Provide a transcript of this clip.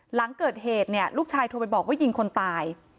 หลังเกิดเหตุเนี่ยลูกชายโทรไปบอกว่ายิงคนตาย